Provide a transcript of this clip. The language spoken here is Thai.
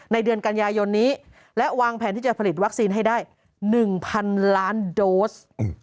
เดือนกันยายนนี้และวางแผนที่จะผลิตวัคซีนให้ได้๑๐๐๐ล้านโดส